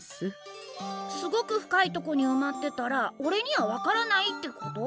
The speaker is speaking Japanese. すごく深いとこにうまってたらおれには分からないってこと？